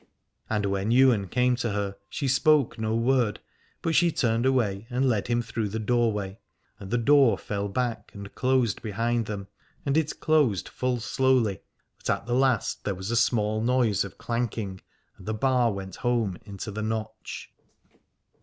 And when Ywain came to her she spoke no word, but she turned away and led him through the doorway, and the door fell back and closed behind them : and it closed full slowly, but at the last there was a small noise of clanking and the bar went home into the notch.